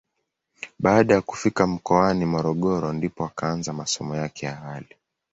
Baada ya kufika mkoani Morogoro ndipo akaanza masomo yake ya awali.